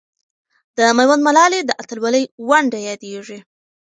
د میوند ملالۍ د اتلولۍ ونډه یادېږي.